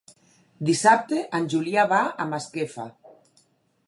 Dissabte en Julià va a Masquefa.